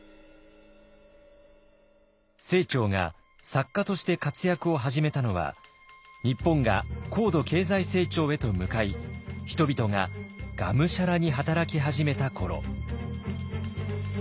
清張が作家として活躍を始めたのは日本が高度経済成長へと向かい人々ががむしゃらに働き始めた頃。